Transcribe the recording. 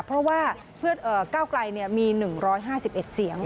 เพราะว่าเพื่อเก้าไกรเนี่ยมี๑๕๑เสียง